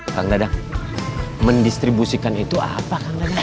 kang dadang mendistribusikan itu apa